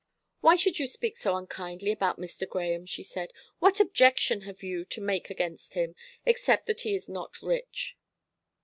"Why should you speak so unkindly about Mr. Grahame?" she said. "What objection have you to make against him, except that he is not rich?"